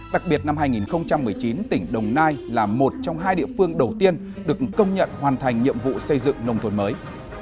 đặc biệt năm hai nghìn một mươi chín tỉnh đồng nai là một trong hai địa phương đầu tiên được công nhận hoàn thành nhiệm vụ xây dựng nông thôn mới